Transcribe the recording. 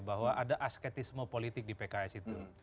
bahwa ada asketisme politik di pks itu